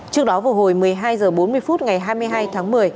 trước đó vào hồi một mươi hai h bốn mươi phút ngày hai mươi hai tháng một mươi